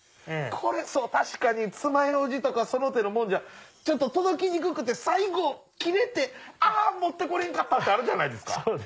これそう確かにつまようじとかその手のもんじゃちょっと届きにくくて最後切れて「あ持ってこれんかった」ってあるじゃないですか。